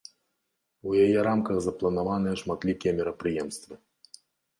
У яе рамках запланаваныя шматлікія мерапрыемствы.